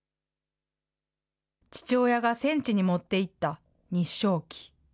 父親が戦地に持っていた日章旗。